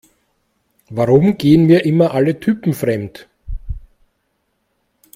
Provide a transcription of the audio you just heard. Warum gehen mir immer alle Typen fremd?